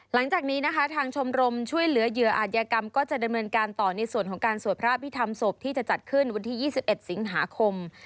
หลังจากนี้นะคะทางชมรมช่วยเหลือเหยื่ออาจยากรรมก็จะดำเนินการต่อในส่วนของการสวดพระอภิษฐรรมศพที่จะจัดขึ้นวันที่๒๑สิงหาคม